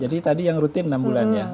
jadi tadi yang rutin enam bulannya